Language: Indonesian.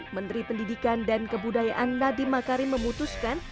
menteri pendidikan dan kebudayaan nadiem makarim memutuskan